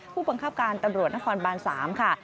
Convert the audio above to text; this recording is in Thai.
ผู้บังคับการตำรวจนครบาน๓ค่ะ